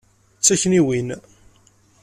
D takniwin.